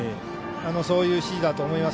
そういう指示だと思います。